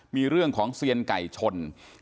มีเรื่องของเซียนไก่ชน